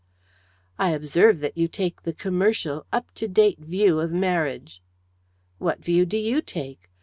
"I observe that you take the commercial, up to date view of marriage." "What view do you take?